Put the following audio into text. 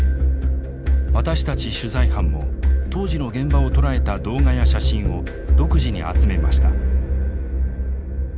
私たち取材班も当時の現場を捉えた動画や写真を独自に集めました。